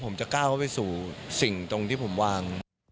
ผมจะก้าวเข้าไปสู่สิ่งตรงที่ผมวาง